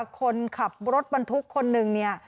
คนขับรถบรรทุกคนหนึ่งเนี่ย